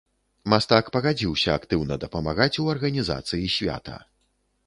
Мастак пагадзіўся актыўна дапамагаць ў арганізацыі свята.